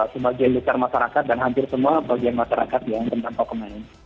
sebagai lutar masyarakat dan hampir semua bagian masyarakat yang tentang hokumen